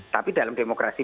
tapi dalam demokrasi